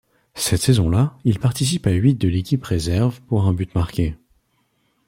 Cette saison-là, il participe à huit de l'équipe réserve pour un but marqué.